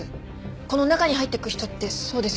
この中に入っていく人ってそうですよね？